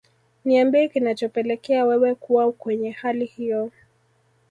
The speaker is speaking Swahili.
niambie kinachopelekea wewe kuwa kwenye hali hiyo